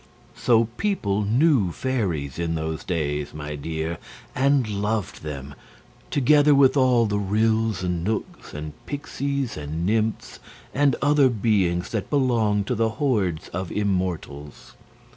So people knew fairies in those days, my dear, and loved them, together with all the ryls and knooks and pixies and nymphs and other beings that belong to the hordes of immortals.